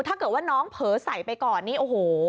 ถ้าเกิดว่าน้องเผลอใส่ไปก่อนนี่โอ้โห